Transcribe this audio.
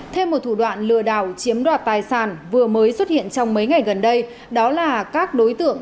thêm một thủ đoạn lừa đảo chiếm đoạt tài sản vừa mới xuất hiện trong mấy ngày gần đây đó là các đối tượng